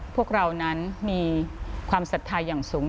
พวกเรานั้นมีความสัตว์ทายอย่างสูง